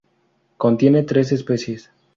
Contiene tres especies